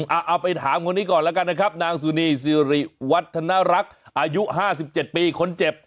เอาไปถามคนนี้ก่อนแล้วกันนะครับนางสุนีสิริวัฒนรักษ์อายุ๕๗ปีคนเจ็บ